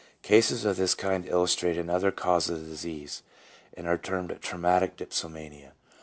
Cases of this kind illustrate another cause of the disease, and are termed traumatic dipsomania.